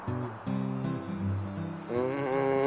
うん。